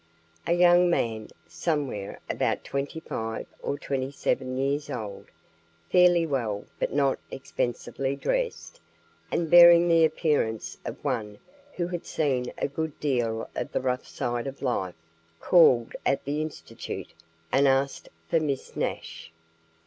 A young man, somewhere about 25 or 27 years old, fairly well but not expensively dressed, and bearing the appearance of one who had seen a good deal of the rough side of life, called at the Institute and asked for Miss Nash.